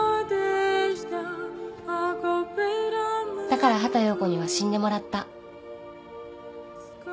だから畑葉子には死んでもらった。